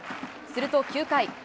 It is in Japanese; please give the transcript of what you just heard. すると９回。